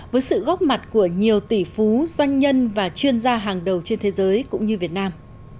với sự góp mặt của nhiều tỷ phú doanh nhân và chuyên gia hàng đầu trên thế giới cũng như việt nam